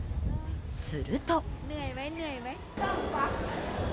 すると。